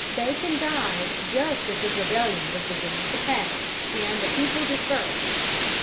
Bacon died just as his rebellion was beginning to pay, and the people dispersed.